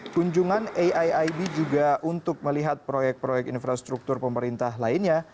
kunjungan aiib juga untuk melihat proyek proyek infrastruktur pemerintah lainnya